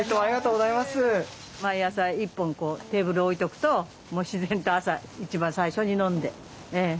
毎朝１本テーブル置いとくともう自然と朝一番最初に飲んでええ。